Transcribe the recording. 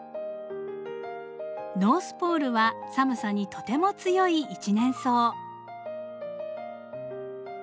ノースポールは寒さにとても強い一年草。